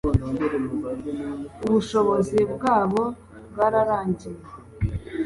ubushobozi bwabo bwararangiye